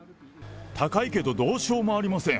高いけどどうしようもありません。